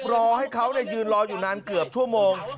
รอให้เขายืนรออยู่นานเกือบชั่วโมง